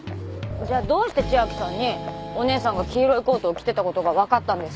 じゃあどうして千晶さんにお姉さんが黄色いコートを着てたことが分かったんですか？